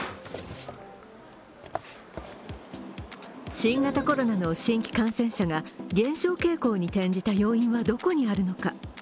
新型コロナの新規感染者が減少傾向に転じた要因は、どこにあるのか。